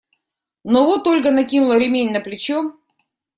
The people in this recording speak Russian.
Но вот Ольга накинула ремень на плечо.